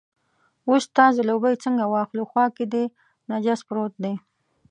اوس ستا ځلوبۍ څنګه واخلو، خوا کې دې نجس پروت دی.